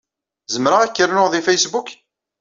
Zemreɣ ad ak-rnuɣ di Facebook?